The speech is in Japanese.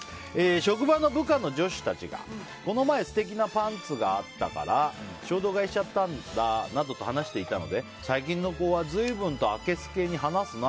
職場の部下の女子たちがこの前素敵なパンツがあったから衝動買いしちゃったんだなどと話していたので最近の子は随分とあけすけに話すな。